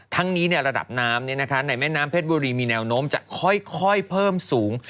ทั้งนี้ระดับน้ำในแม่น้ำเพชรบุรีมีแนวโน้มจะค่อยเพิ่มสูง